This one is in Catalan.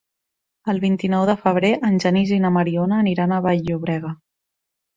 El vint-i-nou de febrer en Genís i na Mariona aniran a Vall-llobrega.